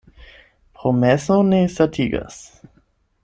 Promeso ne satigas.